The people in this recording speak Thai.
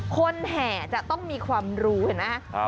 แห่จะต้องมีความรู้เห็นไหม